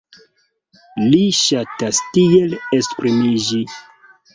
Li ŝatas tiel esprimiĝi.